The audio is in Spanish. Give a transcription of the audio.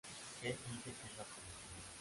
Kate dice que es la policía.